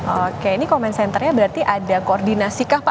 oke ini comment centernya berarti ada koordinasi kah pak